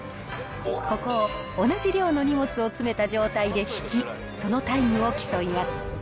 ここを同じ量の荷物を詰めた状態で引き、そのタイムを競います。